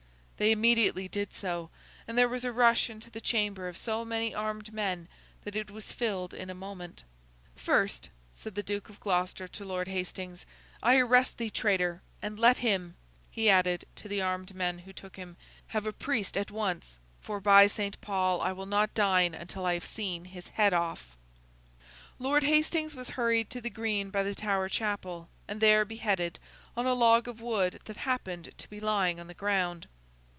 They immediately did so, and there was a rush into the chamber of so many armed men that it was filled in a moment. 'First,' said the Duke of Gloucester to Lord Hastings, 'I arrest thee, traitor! And let him,' he added to the armed men who took him, 'have a priest at once, for by St. Paul I will not dine until I have seen his head of!' Lord Hastings was hurried to the green by the Tower chapel, and there beheaded on a log of wood that happened to be lying on the ground.